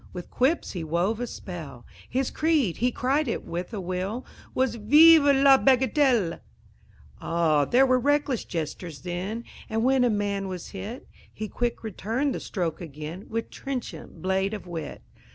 With quips he wove a spell; His creed he cried it with a will Was "Vive la bagatelle!" Oh, there were reckless jesters then! And when a man was hit, He quick returned the stroke again With trenchant blade of wit.